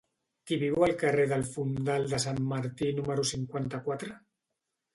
Qui viu al carrer del Fondal de Sant Martí número cinquanta-quatre?